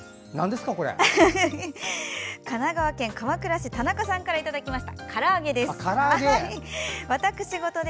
神奈川県鎌倉市田中さんからいただきました。